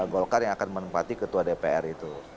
golkar yang akan menempati ketua dpr itu